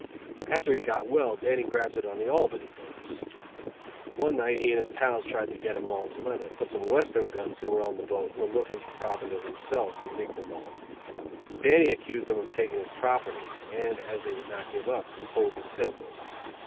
After he got well Dannie grafted on the Albany boats. One night he and his pals tried to get a Moll's leather, but some Western guns who were on the boat were looking for provender themselves and nicked the Moll. Dannie accused them of taking his property, and, as they would not give up, pulled his pistol.